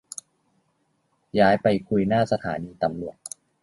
ย้ายไปคุยหน้าสถานีตำรวจ